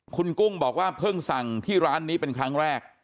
คุณกุ้งบอกว่าเพิ่งสั่งที่ร้านนี้เป็นครั้งแรก